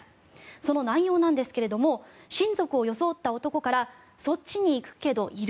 その内容なんですが親族を装った男からそっちに行くけどいる？